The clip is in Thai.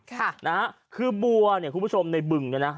ค่ะนะฮะคือบัวเนี่ยคุณผู้ชมในบึงเนี่ยนะ